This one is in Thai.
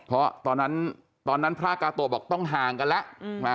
เพราะตอนนั้นตอนนั้นพระกาโตะบอกต้องห่างกันแล้ว